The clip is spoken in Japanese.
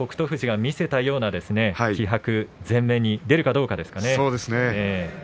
富士が見せたような気迫全面に出るかどうかですね。